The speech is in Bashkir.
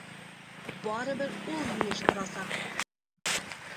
Барыбер ул йыйыштырасаҡ!